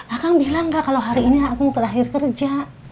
akang bilang gak kalo hari ini akung terakhir kerja